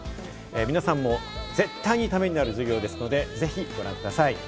皆さんも絶対にためになる授業ですので、ぜひご覧ください。